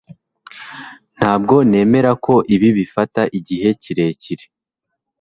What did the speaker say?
Ntabwo nemera ko ibi bifata igihe kinini